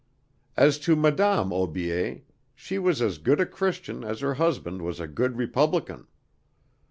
As to Madame Aubier she was as good a Christian as her husband was a good republican.